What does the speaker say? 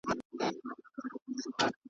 ملا دي وینم چی کږه ده له بارونو .